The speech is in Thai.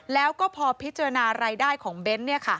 แล้วก็พอพิจารณารายได้ของเบ้น